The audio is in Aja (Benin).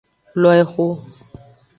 Lo exo.